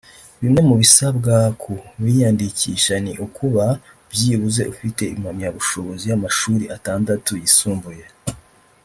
Bimwe mu bisabwa ku biyandikisha ni ukuba byibuze ufite impamyabushobozi y’amashuri atandatu yisumbuye